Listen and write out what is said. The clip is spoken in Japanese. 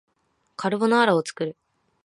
カルボナーラを作る